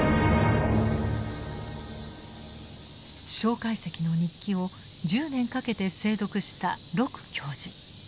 介石の日記を１０年かけて精読した鹿教授。